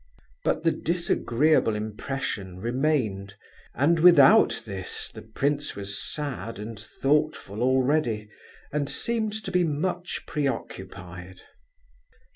But the disagreeable impression remained, and without this, the prince was sad and thoughtful already, and seemed to be much preoccupied.